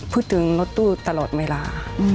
พูดถึงรถตู้ตลอดเวลา